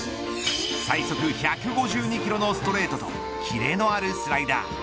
最速１５２キロのストレートと切れのあるスライダー。